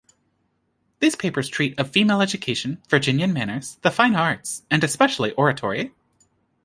These papers treat of female education, Virginian manners, the fine arts, and especially oratory.